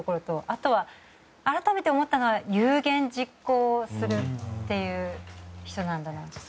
あとは改めて思ったのは有言実行する人なんだなって。